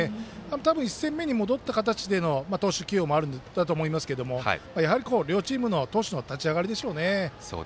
たぶん１戦目に戻った形での投手起用もあるんだと思いますがやはり両チームの投手の立ち上がりでしょうね。